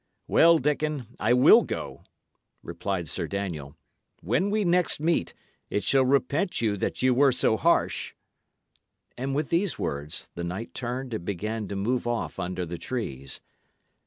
"Well, Dickon, I will go," replied Sir Daniel. "When we next meet, it shall repent you that ye were so harsh." And with these words, the knight turned and began to move off under the trees.